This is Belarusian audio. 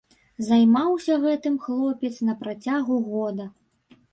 Займаўся гэтым хлопец на працягу года.